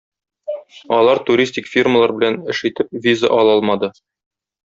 Алар туристик фирмалар белән эш итеп виза ала алмады.